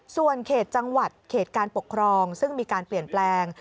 ส่วนเขตจังหวัดเขตการปกครองซึ่งมีการเปลี่ยนแปลง